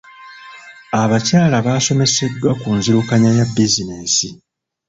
Abakyala baasomeseddwa ku nzirukanya ya bizinensi.